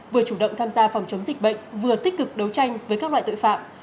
vừa chủ động tham gia phòng chống dịch bệnh vừa tích cực đấu tranh với các loại tội phạm